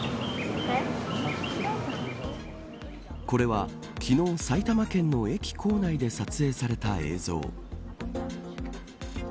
これは昨日、埼玉県の駅構内で撮影された映像。